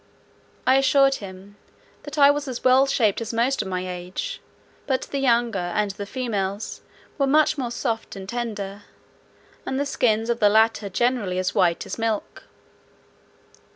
I assured him, "that I was as well shaped as most of my age; but the younger, and the females, were much more soft and tender, and the skins of the latter generally as white as milk."